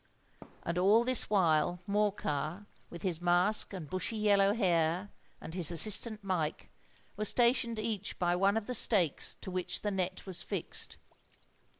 And all this while Morcar, with his mask and bushy yellow hair, and his assistant Mike, were stationed each by one of the stakes to which the net was fixed.